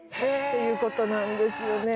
ということなんですよね。